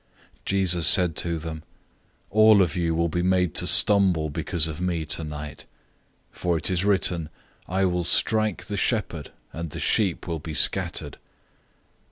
014:027 Jesus said to them, "All of you will be made to stumble because of me tonight, for it is written, 'I will strike the shepherd, and the sheep will be scattered.'